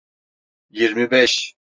Yirmi beş.